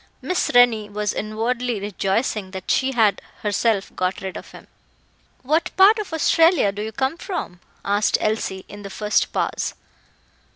Miss Rennie was inwardly rejoicing that she had herself got rid of him. "What part of Australia do you come from?" asked Elsie, in the first pause.